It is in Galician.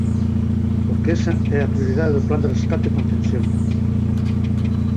Porque esa é a prioridade do plan de rescate e contención.